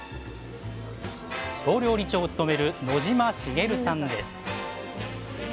総料理長を務める野島茂さんです。